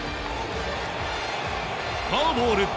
フォアボール。